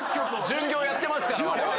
巡業やってますから。